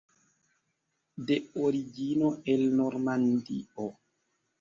De origino el Normandio.